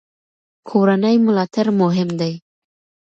کورنۍ ملاتړ مهم دی.